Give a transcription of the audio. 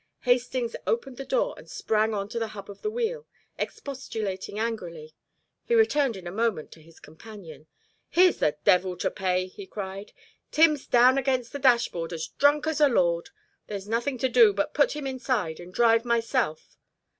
Hastings opened the door and sprang on to the hub of the wheel, expostulating angrily. He returned in a moment to his companion. "Here's the devil to pay," he cried. "Tim's down against the dashboard as drunk as a lord. There's nothing to do but put him inside and drive, myself.